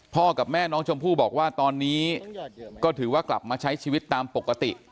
กับแม่น้องชมพู่บอกว่าตอนนี้ก็ถือว่ากลับมาใช้ชีวิตตามปกติ